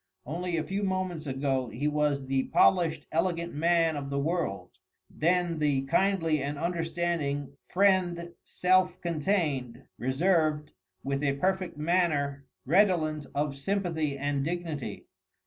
Only a few moments ago he was the polished, elegant man of the world, then the kindly and understanding friend self contained, reserved, with a perfect manner redolent of sympathy and dignity.